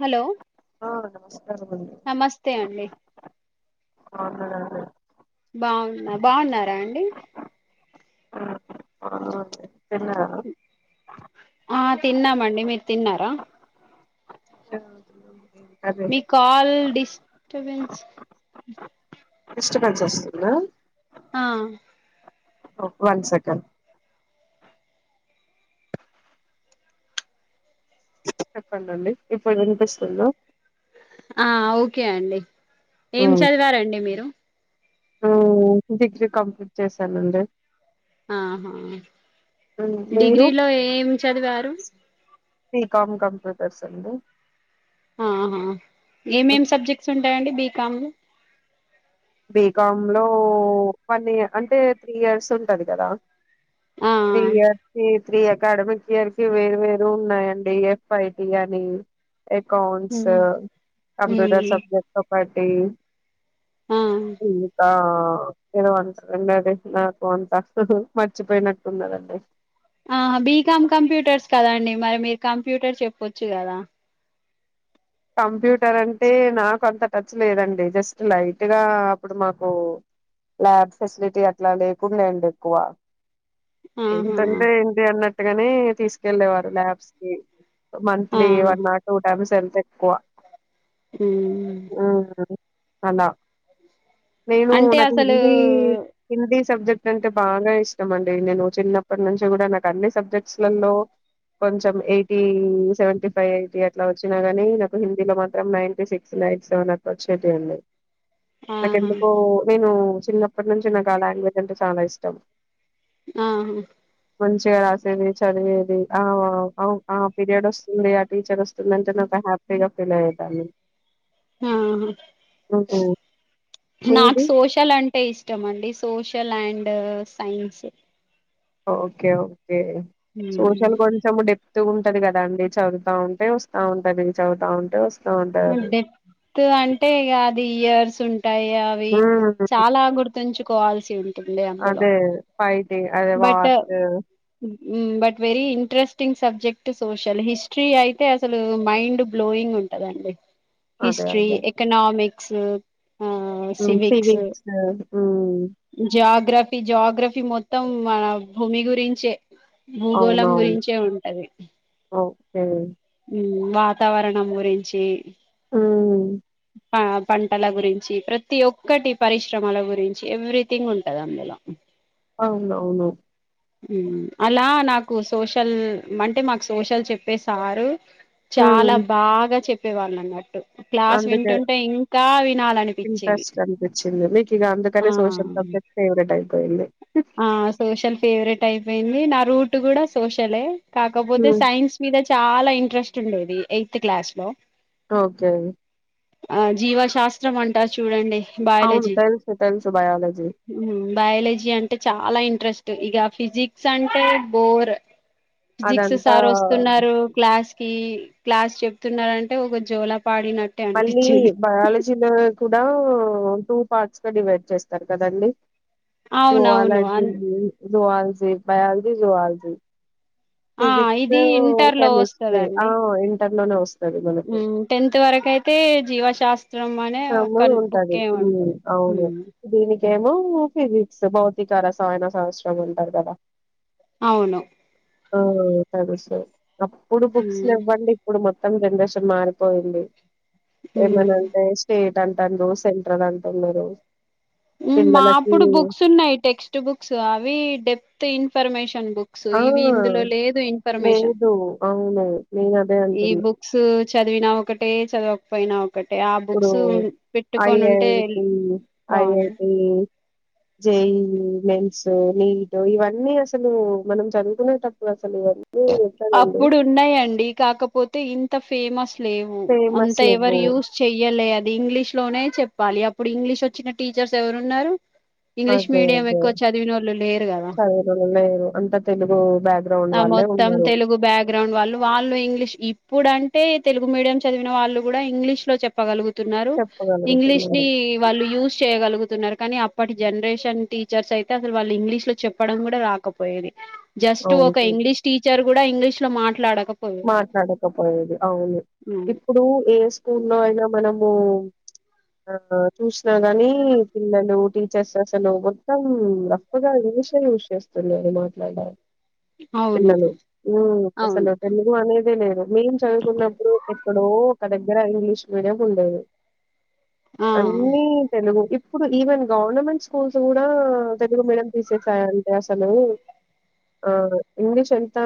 Hello ఆ నమస్కారం నమస్తే అండి. ఆ మే [unintelligible] బాగున్న. బాగున్నారా అండి? ఆ [unintelligible] తిన్నరా? ఆ తిన్నామండి. మీరు తిన్నారా? ఇప్పుడే గద తిన్నాము. ని కాల్ డిస్టబెన్స్ డిస్టబెన్స్ వస్తుందా? ఆ ఓ వన్ సెకండ్ చెప్పండండి ఇప్పుడు వినిపిస్తుంద? ఆ ఓకె అండి. ఏం చదివారండి మీరు? మ్మ్ డిగ్రీ కంప్లీట్ చేసానండి. ఆహా ఉమ్, మీరు డిగ్రీలో ఏం చదివారు బీ కాం కంప్యూటర్స్ అండి ఆహా ఏమేం ఉమ్, సబ్జెక్ట్స్ ఉంటాయండి బి కమ్ బీకామ్ లో వన్ ఇయ అంటే త్రీ ఇయర్స్ ఉంటది కదా ఆ త్రీయర్ తి త్రీయర్ అకాడమిక్ ఇయర్ కి వేరు వేరు ఉన్నాయండి ఎఫ్ఐటి అని అకాౌంట్స్ ఉమ్ కంప్యూటర్ ఉమ్ సబ్జెక్ట్తో పట్ ఊ ఆ ఇంకా ఏదో అంటారండి అది నాకు అంత ఆ బీకామ్ కంప్యూటర్స్ కదాండి మరి మీరు కంప్యూటర్ చెప్పొచ్చు కదా కంప్యూటర్ అంటే నాకు అంత టచ్ లేదండి జస్ట్ లైట్గా అప్పుడు మాకు ల్యాబ్ ఫెసిలిటీ అట్లా లేకుం లేండి ఎక్కువ ఆహా ఏంతంటే ఏంటి అన్నట్టుగానే తీసుకెళ్లేేవారు ల్యాబ్స్ కి ఆ monthly one or two times వె కోవ ఊ అలా నేను అంటే నాకు అసలు హిందీ హిందీ సబ్జెక్ట్ అంటే బాగా ఇష్టం అండి నేను చిన్నప్పటి నుంచి కూడా నాకు అన్ని సబ్జెక్ట్స్ లలో కొంచెం eighty seventy five eighty అట్లా వచ్చినా కానీ నా హిందీ లో మాత్రం నైన్టీ సిక్స్ నైన్టీ సెవెన్ అ వచ్చేటి అండి నాకు ఆహా ఎందుకో నేను చిన్నప్పటి నుంచి నాకా లాంగ్వేజ్ అంటే చాలా ఇష్టం ఆహ మంచిగా రాసేది చదివేది ఆ పీరియడ్ వస్తుంది ఆ టీచర్ వస్తుంది అంటే నాకు హ్యాపీ తెగ ఫీల్ అయ్యేదాన్ని హ్మ్. నాకు మీది? సోషల్ అంటే ఇష్ ఇష్టం అండి సోషల్ అండ్ సైన్స్ ఓకే ఓ సోషలు ఉమ్ కొంచము డెప్ తు ఉంటది కదా అండి చదువుతా ఉంటే వస్తా ఉంటది చదువుతా ఉంటే వ ము డెత్ అంటే ఇగ అ ఈయర్ సుం ఉంటాయి అవి ఉమ్ చాలా గుర్తుంచు కాల్స్ యూడు అదే పైవ్ ది అదే వాటు హు but very interesting subject social history అయితే అసలు మైండ్ బ్లోయింగ్ ఉంటదండి అదే హిస్ట్రీ ఎకనమీక్ క్స్ హు సివిక్స్ హు జాగ్రఫ్ ఫీ జాగ్రఫీ మొత్తం మా మీ గురించే భూగోళం గురించే ఉంటది అ హు వాతావరణం గురించిి హుమ్ ప పంటల గురించి ప్రతి ఒక్కటి పరిశ్రమల గురించి ఎవ్రీథింగ్ ఉంటది అందులో అవునవును హు అలా నాకు సోషల్ అంటే మాకు సోషల్ చెప్పే సారు చాలా ఉమ్ బాగా చెప్ ప్పే వాళ్ళన్నట్టు అందుకే వినాలనిపించేవి ఇంట్రెస్ట్ అనిపించింది మీకు ఇగ ఆ అందుకనే సోషల్ సబ్జెక్ట్ ఫేవరెట్ అయి పోఇంది ఆ సోషల్ ఫేవరెట్ టైపోయింది నా రూట్ కూడా సోషలే కాకపోతే ఉమ్ సైన్స్ మీద చాలా ఇం ట్రెస్ట్ ఉండేది ఎయిత్ క్లాస్ లో ఓకే ఆ జీవశాస్త్రం అంటారు చూడండి అవును బయాలజీ తెలుసు తెలుసు బయాలజీ బయేలజీ అం చాలా ఇంట్రెస్ట్ ఇగ ఫిజిక్స్ అంటే బోర్ ఫిజిక్స్ అదంతా సార్ వస్తున్నారు క్లాస్ కి క్లాస్ చెప్తున్నారంటే ఒక జోల మళ్ళీ బయాలజీలో కూడా టూ పార్ట్స్గా డివైడ్ చేస్తారు కదండి అవునవును అన్ జ్యూఆలాజీలు జ్యూఆల్ బయలజ్జి జుఆల్జ్ ఆ ఫిజక్స్ ఇది ఇంటర్ కెమిస్ట్రిీ ఆ ఇం టర్ లోనే ఒస్ హు టెన్త్ వరకైతే జీవశాస్ రమ ఉంటది ఊ అవును హ్మ్. దీనికి ఏమో ఫిజిక్స్ భౌతిక రసాయన శాస్త్రం అంటారు కదా అవును ఓ త విషయం అప్పుడు బుక్స్ హ్మ్. లేవ్వండి ఇప్పుడు మొత్తం [unintelligible] మారిపోయింది ఊ ఏమనంటే స్టేట్ అంటన్నారు సెంట్రల్ అంటన్నారు మా అప్పుడు బుక్స్ ఉన్నాయి టెక్స్ట్ బుక్స్ అవి డెప్త్ ఇ ఫరమేశ్వ ఆ ఇన్ఫర్మేషన్ లేదు అవును నిన్న ఈ బుక్స్ చదివినా ఒకటే చదవకపోయినా ఒకటే ఆ ఇప్పుడు బుక్స్ పెట్టుకొని ఉంటే ఐఐటి బాగుంది ఐఐటి జై మెన్స్ నీట్ ఇవన్నీ అసలు మనం చదువుకునేటప్పుడు అసలు ఎక్కడండి అప్పుడు ఉన్నాయండి కాకపోతే ఇ తా ఫేమస్ లేవు అంత ఫేమస్ లేవు. ఎవరు యూస్ చెయ్యలే ఇంగ్లీష్ లోనే చెప్పాలి అప్పుడు ఇంగ్లీష్ వచ్చిన టీచర్స్ ఎవరున్నారు ఇంగ్లీష్ అదే మీడియం అదే ఎక్కువ చదివినోళ్ళు లేరు కదా చదివేనెళ్ళు లేరు అంత తెలుగు బ్యాక్గ్రౌండ్ ఆ వాళ్ళే మొత్తం ఉన్నారు తెలుగు బ్యాక్గ్రౌండ్ వాళ్ళు వాళ్ళు ఇంగ్లీష్ ఈ ఇప్పుడు అంటే తెలుగు మీడియం చదివిన వాళ్ళు కూడా ఇంగ్లీష్ లో చెప్పగలుగుతు తున్నారు ఇంగ్లీష్ ని చెప్పగలుగుతున్నారు. వాళ్ళు యూస్ చేయగలుగుతున్నారు కానీ అప్పటి జనరేషన్ టీచర్స్ అయితే అసలు వాళ్ళు ఇంగ్లీష్ లో చెప్పడం కూడా రాకపోయేది జస్ట్ ఒక అవును. ఇంగ్లీష్ టీచ ర్ కూడా ఇంగ్లీష్ లో మాట్లాడ మాట్లాడకపోయేది అవును హ్మ్. ఇప్పుడు ఏ స్కూల్లో అయినా మనం ఆ చూసినా కాని పిల్లలు టీచర్స్ అసలు మొత్తం రఫ్గా ఇంగ్లీషే యూజ్ చేస్తున్నారు మాట్లాడడానికి అవును పిల్లలు ఉ అసలు అవును తెలుగు అనేదే లేదు మేము చదువుకున్నప్పుడు ఎక్కడో ఒక్క దగ్గర ఇంగ్లీష్ మీడియం ఉండేది ఆ అన్నీ తెలుగు ఇప్పు ఇప్పుడు ఈవెన్ గవర్నమెంట్ స్కూల్స్ కూడా తెలుగు మీడియం తీసేసాయంటే అసలు ఆ ఇంగ్లీష్ ఎంత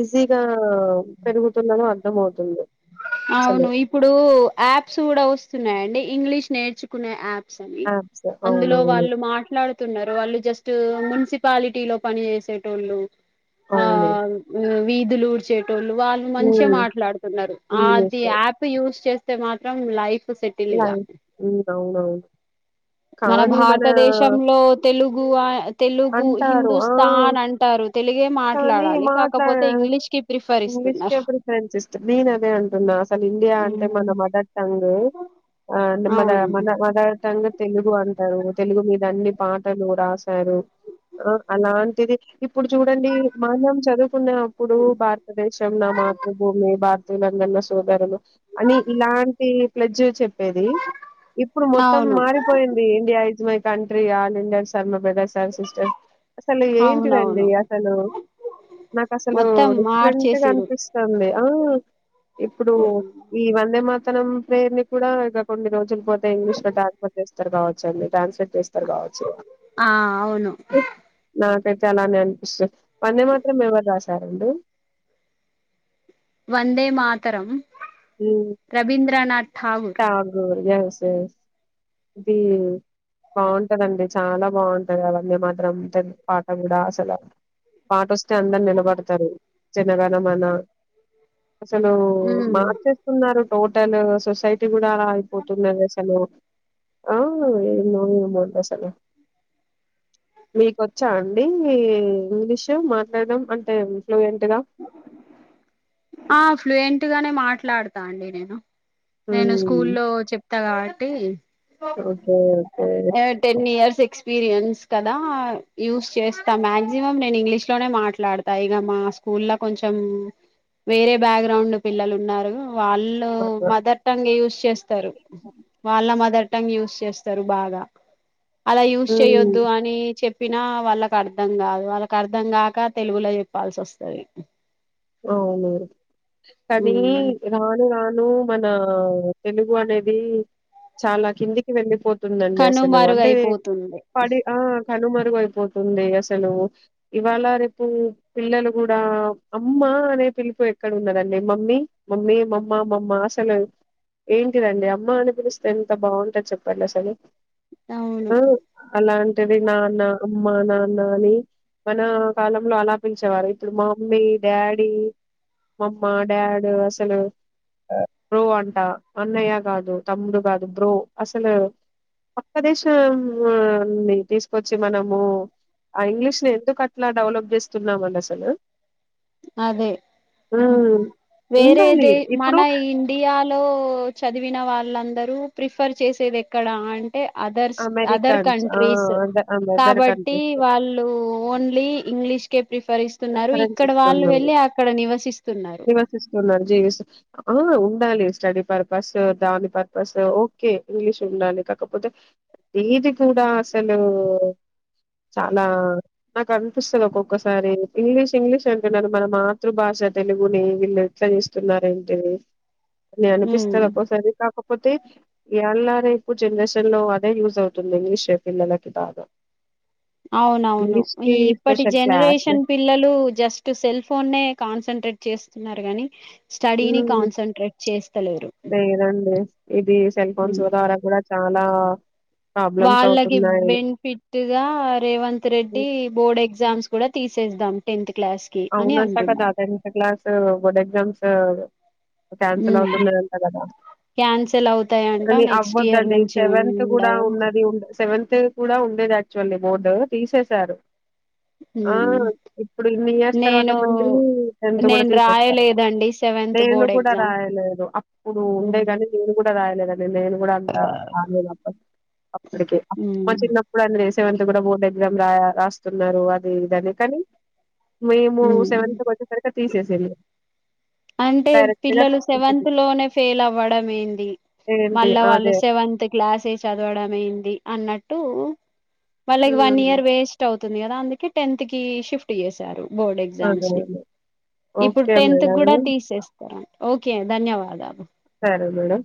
ఈజీగా ఆ పెరుగుతున్నాయో అర్ధం అవుతుంది అసలు అవును ఇప్పుడు యాప్స్ కూడా వస్తున్నాయండి ఇంగ్లీష్ నేర్చుకునే యాప్ అని యాప్స్ అందులో అవునవును వాళ్ళు మాట్లాడుతున్నారు వాళ్ళు జస్ట్ మున్సిపాలిటీ లో పని చేసేటోళ్ళు ఆ అవును వీధి లు ఊడ్చే టోళ్లు వాళ్ళు మంచిగా మాట్లాడుతున్నారు ఆది ఇంగ్లీష్ యాప్ యూ చేస్తే మాత్రం లైఫ్ సెటిల్ ఇగ లైఫ్ హ్మ్. అవునవును మన భారతదేశంలో తెలుగు తెలుగు అంటారు. ఆ! హిందుస్థాన్ అంటారు తెలుగే కానీ మాట్లాడాలి మాట్లా కాకపోతే ఇంగ్లీష్ కి ప్రిఫర్ ఇంగ్లీష్‌కే ఇస్తున్నారు ప్రిఫరెన్స్ ఇస్తా. నేనదే అంటున్నా. అసలు ఉహ్ ఆ మన మన మదర్ టంగ్ తెలుగు అంటారు తెలుగు మీద అన్ని పాటలు రాశారు అలాంటిది ఇప్పుడు చూడండి మనం చదువు న్నప్పుడు భారతదేశం నా మాతృభూమి భారతీయులందరు నా సోదరులు అని ఇలాంటి ఫ్లెడ్జ్ చెప్పేది ఇప్పుడు మొత్తం అవును మారిపోయింది India is my country all India Sharma brothers and sister అసలు ఏంటిదండి అవునవును అసలు నాకు అసలు మొత్తం డిఫరెంట్గా మార్చేసిరు అనిపిస్తుంది ఆ ఇప్పుడు ఈ వందే మాత్ర నం ప్రేణ కూడా ఇక కొన్ని రోజుల పోతే ఇంగ్లీష్ లో ట్రాన్స్లేట్ చేస్తారు కావచ్చండి ట్రాన్స్లేట్ స్తారు కావచ్చు ఆ అవును నా పెట్టాలా అని అనిపిస్తు పన్నే మాత్రం ఎవరు రాశారండి వందే మాతరం రవీంద్రనాథ్ ఠాగూర్ సగు ఎస్ ఎస్ ఇది బాగుంటదండి చాలా బాగుంటది అవన్నీ మాత్రం తె పాట కూడా అసలు పాట వస్తే అందరు నిలబడతారు చిన్నగాన మన అసలు మ్మ్ మార్చేస్తున్నారు టోటల్ సొసై లా యిపోతున్న ఆసలు ఆ ఏమోడి అసలు మీకొచ్చా అండి ఇంగ్లీషు మాట్లాడం అంటే ఫ్లూయెంట్ గా ఆ ఫ్లయెం ట్టుగానే మాట్లాడతా అండి నేను నేను స్కూ ఉమ్ లో చెప్తా కాబట్టి okay okay ten years experience కదా యూస్ చేస్తా మాక్సిమం నేను ఇంగ్లీష్ లోనే మాట్లాడతా ఇక మా స్కూల్ లో కొంచెం వేరే బ్యాక్ గ్రౌండ్ పిల్లలు ఉన్నారు వాళ్ళు మదర్ టంగ్ యూజ చేస్తారు వాళ్ళ మదర్ టాంగ్గ్ యూస్ చేస్తారు బాగా అలా యూస్్ చేయ్యొద్దు ఉమ్ అని చెప్ చెప్పినా వాళ్ళకి అర్థం కాదు వాళ్ళకి అర్థం కాక తెలుగులో చెప్పాల్సి వస్ అవును ఆది మ్మ్ రాని వా డు మన తెలుగు అనేది చాలా కిందికి వెళ్ళిపోత్ ందండి అసలు అంటే కనుమరుగైపోతుంది పడి ఆ కనుమరుగ అయిపోతుంది అసలు ఇవాళ రేపు పిల్లలు కూడా అమ్మ అనే పిలుపు ఎక్కడ ఉన్నదండి మమ్మీ మమ్మీ మమ్మ మమ్మ అసలు ఏంటిదండి అమ్మ అని పిలిస్తే ఎంత బాగుంటంది చేపండి అసలు అవును ఆ అలాం అది నాన్న అమ్మ నాన్న అని మన కాలంలో అలా పిలిచేవారు ఇప్పుడు మమ్మీ డాడీ మామ్మ డాడ్ అసలు బ్రో అంట అన్నయ్య కాదు తమ్ముడు కాదు బ్రో అసలు పక్క దేశ ని తీసుకొచ్చి మనము ఆ ఇంగ్లీష్ ని ఎందుకు అట్లా డెవలప్ చేస్తున్నామని అసలు అదే హ్మ్ వేరే ఉండాలి ద మన ఇప్పుడు ఇండియాలో చదివిన వాళ్ళందర్ ప్రిఫర్ చేసేది ఎక్కడ అ అంటే అదర్ అదర్ అమెరికన్స్ ఆ కంట్రీస్ అద అదర్ కాబట్టి కంట్రీస్ వాళ్ళు ఓన్లీ ఇంగ్లిష్ కె ప్రిఫరిస్తున్నారు ప్రిఫరెన్స్ ఇక్కడ వాళ్ళు ఇస్తున్నారు వెళ్ళి అక్కడ నివసిస్తున్నారు అవును ఉండాలి స్టడీ పర్పస్ దాని పర్పస్ ఓకే ఇంగ్లీష్ ఉండాలి కాకపోతే ఇది కూడా అసలు చాలా నాకు అనిపిస్తుంది ఒక్కొక్కసారి ఇంగ్లీష్ ఇంగ్లీష్ అంటున్నారు మన మాతృభాష తెలుగుని వీళ్ళు ఎట్లా చేస్తున్నారంటె న ఉమ్ అనిపిస్తాది ఒక సారి కాక కాకపోతే ఎళ్ళారే ఎకువ జనరేషన్ లో అదే యూజ్ అవుతుంది ఇంగ్లీష్ పిల్లలకి బాగా అవునవును ఇంగ్లీష్ ఈ కి ఇప్పటి స్పెషల్ క్లాస్ జనరేషన్ పిల్లలు జస్ట్ సెల్ ఫోన్ కాన్సన్ంట్రేట్ చేస్తున్నారు గానీ ఉమ్ లేదండి ఇది సెల్ ఫోన్స్ ఉమ్ ద్వారా కూడా చాలా లా వాళ్ళకి బెనిఫిట్ గా రేవంత్ రెడ్డి హ్మ్. బోర్డ్ ఎగ్జామ్స్ కూడా తీసేద్దాం టెన్త్ క్లాస్ కి అని అవును అట కదా అంటున్నారు టెన్త్ క్లాస్ స బోర్డ్ ఎగ్జామ్స్ క్యాన్సిల్ అవుతున్నంట కదా క్యాన్సల్ అవుతాయంట అని నెక్స్ట్ ఇయర్ అవ్వద్దండి నుంచి సెవెన్త్ కూడా ఉండవు ఉన్నది ఉ సెవెంతత్ కూడా ఉండేది అట్ చల్లి బోర్డు తీసేశారు ఆ ఇప్పుడు మీ తర్వాత నేను మంది టెన్త్ కూడా నేను తీసేస్తారు రాయలేదండి సెవెంత్ నేను బోర్డ్ కూడా ఎగ్జామ్ రాయలేదు అప్పుడు ఉండే గానీ నేను కూడా రాయలే నేను కూడా అంత అప్పటికి అ చిన్నప్పుడు అని సెవెంత్ కూడా బోర్డు ఎక్సమ్ రాయాలా రాస్తున్నారు అదేదాన్ని కానీ మేము సెవెంత్ వచ్చేసారు కల్లా తీసేసిల్లు అంటే పిల్లలు సెవెన్త్ లోనే ఫెయిల్ అవ్వడంమ ఏంది ఏంటి మళ్ళా వాళ్ళు అదే సెవెన్త్ క్లాసే చదవడంమ ఏంది అన్నట్టు టటు మళ్ళగ్ వన్ హ్మ్ ఇయర్ వేస్ట్ అవుతు ందిదా అందు కె టెన్త్ కి షిఫ్ట్ చేశారు బోర్డ్ అదే ఎగ్జామ్స్ ని అదే ఇప్పుడు ఓకే టెన్త్ మేడం కూడా చేస్తార ఓకే ధన్యవాదాలు సరే మేడం